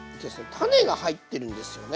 種が入ってるんですよね。